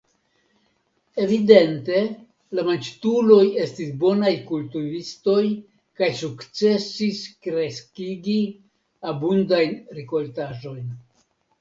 Evidente la Manĝtuloj estis bonaj kultivistoj kaj sukcesis kreskigi abundajn rikoltaĵojn.